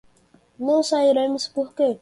Não sairemos por quê?